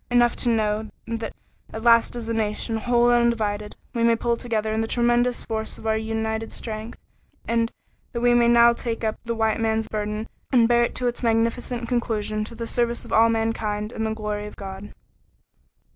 Enough to know that at last as a nation, whole and undivided, we may pull together in the tremendous force of our united strength, and that now we may take up the "White Man's Burden" and bear it to its magnificent conclusion to the service of all mankind and the glory of God.